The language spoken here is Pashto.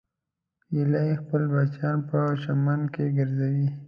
هیلۍ خپل بچیان په چمن کې ګرځوي